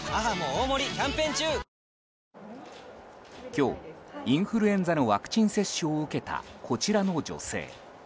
今日、インフルエンザのワクチン接種を受けたこちらの女性。